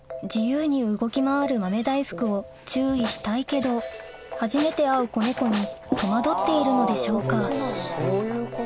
自由に動き回る豆大福を注意したいけど初めて会う子猫に戸惑っているのでしょうか？